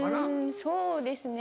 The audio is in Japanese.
そうですね。